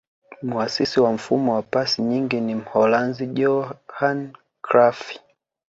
muasisi wa mfumo wa pasi nyingi ni mholanzi johan crufy